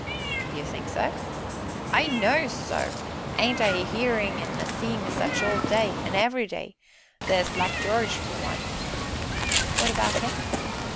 "Do you think so?" "I knows so; ain't I a 'earin' an' a seein' such all day, an' every day theer's Black Jarge, for one." "What about him?"